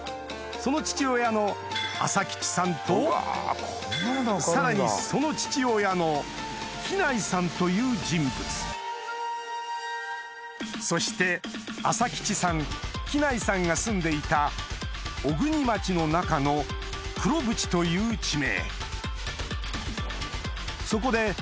その父親の浅吉さんとさらにその父親の喜内さんという人物そして浅吉さん喜内さんが住んでいた小国町の中の黒渕という地名